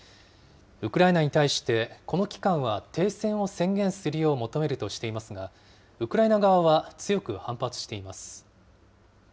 ウクライナに対して、この期間は停戦を宣言するよう求めるとしていますが、ウクライナ側は強く反発しています。